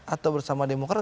atau bersama demokrat